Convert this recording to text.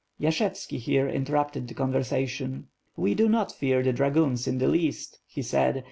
Yashevski here interrupted the conversation. "We do not fear the dragoons in the least," he said.